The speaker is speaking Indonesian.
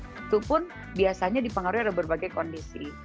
itu pun biasanya dipengaruhi oleh berbagai kondisi